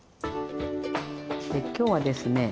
で今日はですね